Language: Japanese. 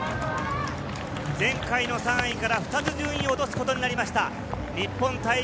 前回の３位から２つ順位を落とすことになりました。